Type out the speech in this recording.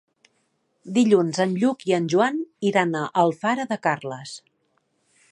Dilluns en Lluc i en Joan iran a Alfara de Carles.